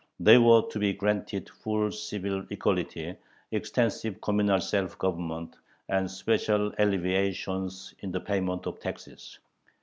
They were to be granted full civil equality, extensive communal self government, and special alleviations in the payment of taxes.